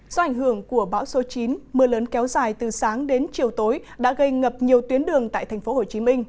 do ảnh hưởng của bão số chín mưa lớn kéo dài từ sáng đến chiều tối đã gây ngập nhiều tuyến đường tại tp hcm